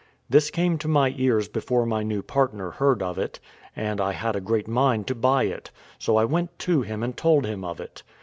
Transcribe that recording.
This came to my ears before my new partner heard of it, and I had a great mind to buy it; so I went to him and told him of it.